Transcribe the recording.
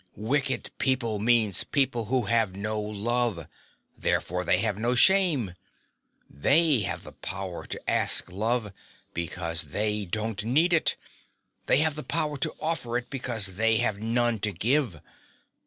Wicked people means people who have no love: therefore they have no shame. They have the power to ask love because they don't need it: they have the power to offer it because they have none to give.